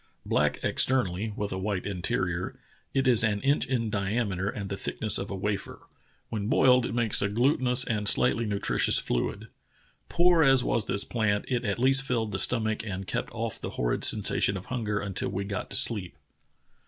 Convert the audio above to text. Black externally with a white interior, it is an inch in diameter and the thickness of a wafer. When boiled it makes a glutinous and slightly nutritious fluid. Poor as w^as this plant, it at least filled the stomach and kept off the horrid sensation of hunger until we got to sleep.